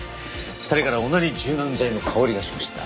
２人から同じ柔軟剤の香りがしました。